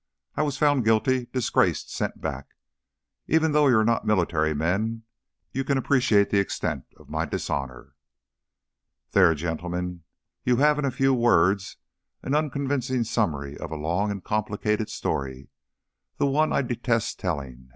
I was found guilty, disgraced, sent back. Even though you are not military men, you can appreciate the extent of my dishonor. "There, gentlemen, you have in a few words an unconvincing summary of a long and complicated story one that I detest telling.